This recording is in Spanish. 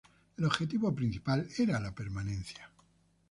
El objetivo principal era la permanencia.